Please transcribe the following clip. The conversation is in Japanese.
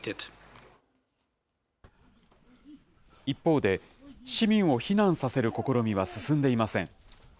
一方で、市民を避難させる試みは進んでいません。